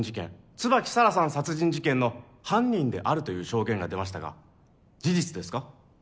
椿沙良さん殺人事件の犯人であるという証言が出ましたが事実ですか？